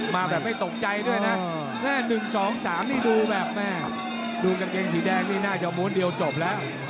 มาแบบไม่ตกใจด้วยนะ๑๒๓นี่ดูแบบแม่ดูกางเกงสีแดงนี่น่าจะม้วนเดียวจบแล้ว